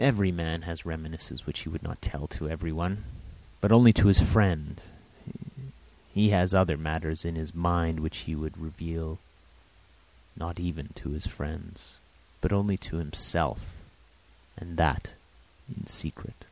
Every man has reminiscences which he would not tell to everyone, but only to his friends. He has other matters in his mind which he would not reveal even to his friends, but only to himself, and that in secret.